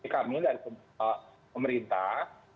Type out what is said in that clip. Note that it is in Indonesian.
kami dari pemerintah